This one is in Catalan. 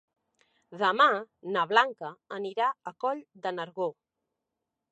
Demà na Blanca anirà a Coll de Nargó.